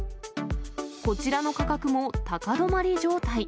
こちらの価格も高止まり状態。